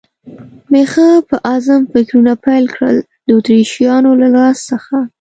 مې ښه په عزم فکرونه پیل کړل، د اتریشیانو له راز څخه.